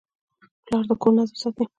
پلار د کور نظم ساتي.